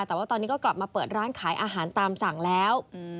แต่ว่าตอนนี้ก็กลับมาเปิดร้านขายอาหารตามสั่งแล้ว